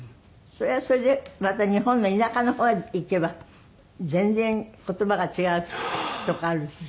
それはそれでまた日本の田舎の方へ行けば全然言葉が違うとこあるし。